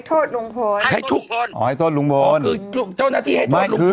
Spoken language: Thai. ขึ้นไปทำไม